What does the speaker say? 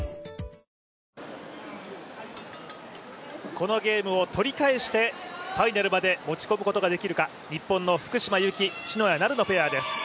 このゲームを取り返してファイナルまで持ち込むことができるか、日本の福島由紀、篠谷菜留のペアです。